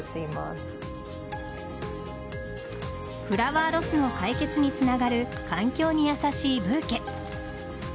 フラワーロスの解決につながる環境に優しいブーケ。